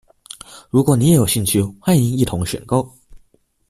如果你也有興趣，歡迎一同選購。